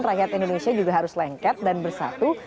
rakyat indonesia juga harus lengket dan bersatu